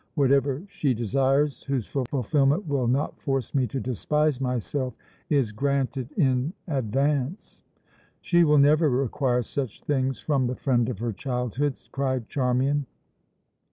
Whatever she desires whose fulfilment will not force me to despise myself is granted in advance." "She will never require such things from the friend of her childhood," cried Charmian.